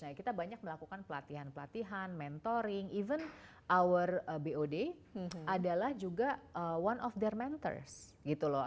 nah kita banyak melakukan pelatihan pelatihan mentoring even our bod adalah juga one of their mentors gitu loh